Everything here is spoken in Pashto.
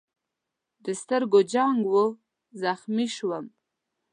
د سترګو جنګ و، زخمي شوم.